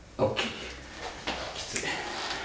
きつい。